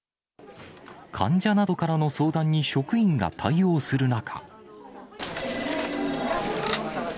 患者などからの相談に職員が対応する中。